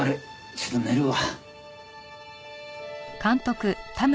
ちょっと寝るわ。